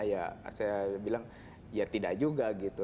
ya saya bilang ya tidak juga gitu